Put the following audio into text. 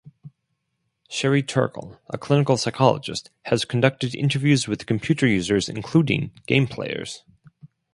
Sherry Turkle, a clinical psychologist, has conducted interviews with computer users including game-players.